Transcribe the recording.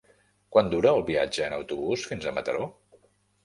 Quant dura el viatge en autobús fins a Mataró?